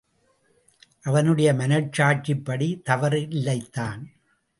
அவனுடைய மனச்சாட்சிப்படி தவறில்லைதான்.